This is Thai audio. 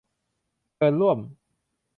เชิญร่วม